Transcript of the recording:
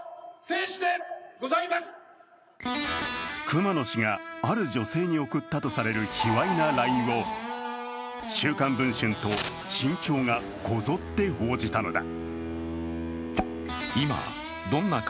熊野氏が、ある女性に送ったとされるひわいなＬＩＮＥを「週刊文春」と「新潮」がこぞって報じたのだ。